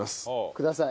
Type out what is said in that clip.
ください。